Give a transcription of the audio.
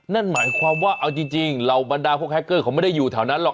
นั่นหมายความว่าเอาจริงเหล่าบรรดาพวกแฮคเกอร์เขาไม่ได้อยู่แถวนั้นหรอก